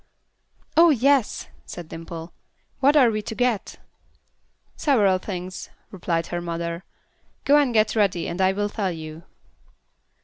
"Oh, yes," said Dimple. "What are we to get?" "Several things," replied her mother. "Go and get ready and I will tell you."